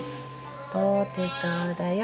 ポテトだよ。